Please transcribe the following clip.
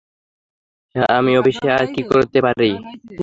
হ্যাঁ, আমি অফিসে আর কি করতে পারি?